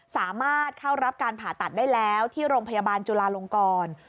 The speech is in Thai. สามารถเข้ารับการผ่าตัดได้แล้วที่โรงพยาบาลจุลาลงกร